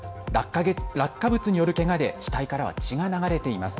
落下物によるけがで額からは血が流れています。